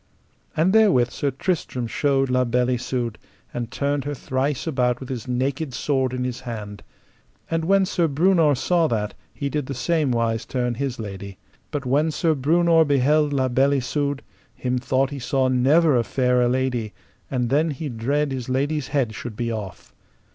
And therewith Sir Tristram showed La Beale Isoud, and turned her thrice about with his naked sword in his hand. And when Sir Breunor saw that, he did the same wise turn his lady. But when Sir Breunor beheld La Beale Isoud, him thought he saw never a fairer lady, and then he dread his lady's head should be off.